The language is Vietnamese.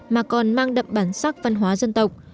mà còn mang đậm bản sắc văn hóa dân tộc